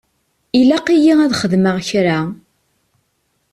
Ilaq-iyi ad xedmeɣ kra.